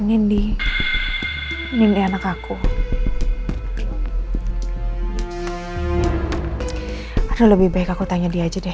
nindi nindi anak aku ada lebih baik aku tanya dia aja deh